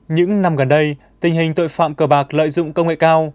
những năm gần đây tình hình tội phạm cờ bạc lợi dụng công nghệ cao